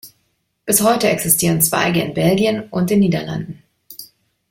Bis heute existieren Zweige in Belgien und den Niederlanden.